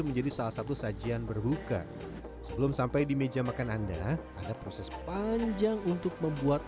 menjadi salah satu sajian berbuka sebelum sampai di meja makan anda ada proses panjang untuk membuat